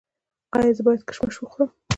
ایا زه باید کشمش وخورم؟